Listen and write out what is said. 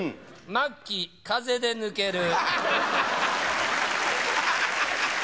末期風で抜ける。